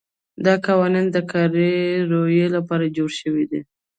دا قوانین د کاري رویې لپاره جوړ شوي دي.